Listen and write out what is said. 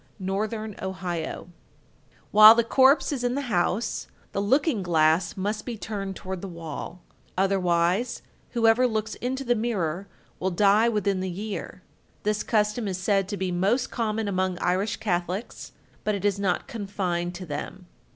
Northern Ohio. 1244. While the corpse is in the house, the looking glass must be turned toward the wall; otherwise, whoever looks into the mirror will die within the year. This custom is said to be most common among Irish Catholics, but it is not confined to them.